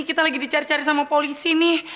kita lagi dicari cari sama polisi nih